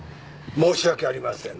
申し訳ありません。